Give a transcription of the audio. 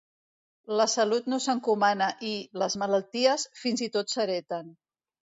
La salut no s'encomana i, les malalties, fins i tot s'hereten.